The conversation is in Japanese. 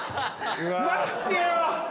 待ってよ！